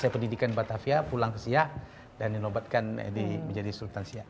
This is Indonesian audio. saya pendidikan batavia pulang ke siak dan dinobatkan menjadi sultan siak